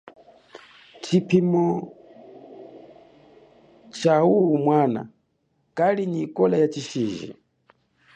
Tshiphimo tshawumwana kali nyi ikola ya tshishiji.